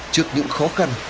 trước những khó khăn